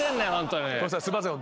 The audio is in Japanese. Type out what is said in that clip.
すいませんね